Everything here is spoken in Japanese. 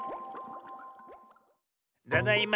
ただいま。